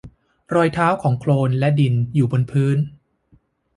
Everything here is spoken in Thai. รอยเท้าของโคลนและดินอยู่บนพื้น